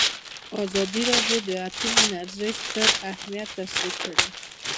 ازادي راډیو د اټومي انرژي ستر اهميت تشریح کړی.